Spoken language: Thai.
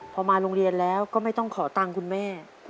พอมาโรงเรียนแล้วก็ไม่ต้องขอตังค์คุณแม่